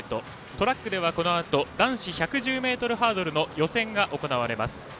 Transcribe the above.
トラックでは、このあと男子１１０ｍハードルの予選が行われます。